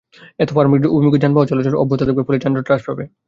এতে ফার্মগেট অভিমুখী যানবাহন চলাচল অব্যাহত থাকবে, ফলে যানজট হ্রাস পাবে।